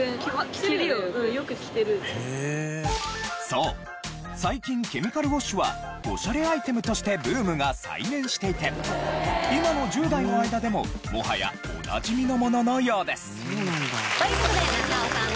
そう最近ケミカルウォッシュはオシャレアイテムとしてブームが再燃していて今の１０代の間でももはやおなじみのもののようです。という事で中尾さん